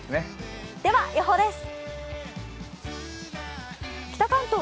では予報です。